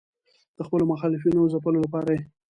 د خپلو مخالفینو ځپلو لپاره یې.